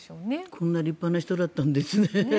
こんな立派な人だったんですね。